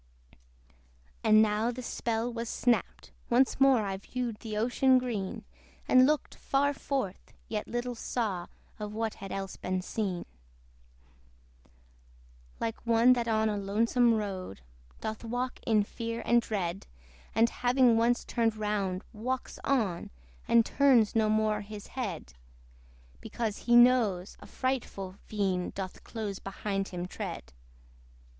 And now this spell was snapt: once more I viewed the ocean green. And looked far forth, yet little saw Of what had else been seen Like one that on a lonesome road Doth walk in fear and dread, And having once turned round walks on, And turns no more his head; Because he knows, a frightful fiend Doth close behind him tread.